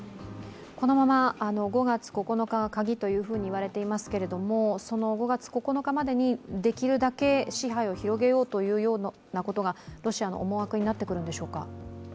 このまま、５月９日がカギと言われていますけれども、その５月９日までに、できるだけ支配を広げようということがロシアの思惑になってくるんでしょうか？